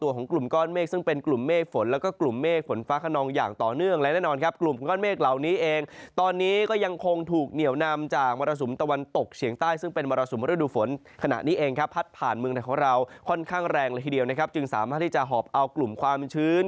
ขนาดนี้เองนะครับผลัดผ่านเมืองของเราค่อนข้างแรงละทีเดียวนะครับจึงสามารถที่จะหอบเอากลุ่มความชื้น